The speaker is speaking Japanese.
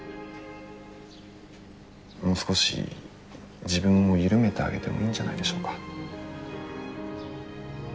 もう少し自分を緩めてあげてもいいんじゃないでしょうか？